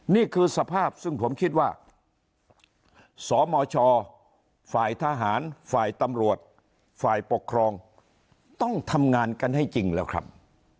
นี่คือสภาพซึ่งผมคิดว่าสมชฝ่ายทหารฝ่ายตำรวจฝ่ายปกครองต้องทำงานกันให้จริงแล้วครับ